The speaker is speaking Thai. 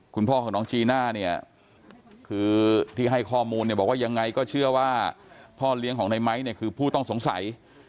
คุณพ่อของน้องจีน่าคือที่ให้ข้อมูลบอกว่ายังไงก็เชื่อว่าพ่อเลี้ยงของนายไม้คือผู้ต้องสงสัย